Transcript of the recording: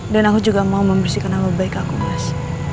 dan aku juga mau membersihkan nama baik aku mas